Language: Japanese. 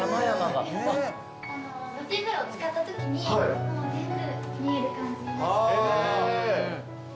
露天風呂漬かったときに全部見える感じに。